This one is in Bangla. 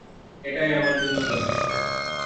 এটাই আমার জন্য যথেষ্ট।